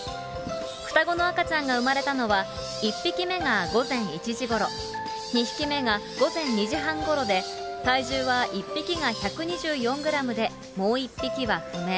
双子の赤ちゃんが産まれたのは１匹目が午前１時ごろ、２匹目が午前２時半ごろで、体重は１匹が１２４グラムで、もう１匹は不明。